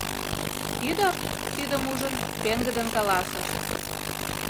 Ӱдыр, тидым ужын, пеҥгыдын каласыш: